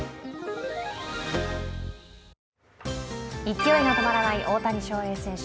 勢いが止まらない大谷翔平選手。